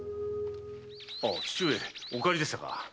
あ義父上お帰りでしたか。